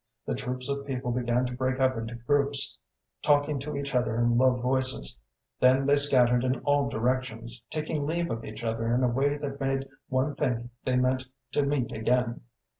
The troops of people began to break up into groups, talking to each other in low voices; then they scattered in all directions, taking leave of each other in a way that made one think they meant to meet again.